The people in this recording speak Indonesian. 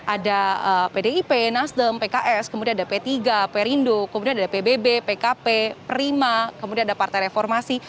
ada pdip nasdem pks kemudian ada p tiga perindo kemudian ada pbb pkp prima kemudian ada partai reformasi